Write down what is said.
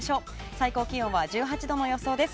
最高気温は１８度の予想です。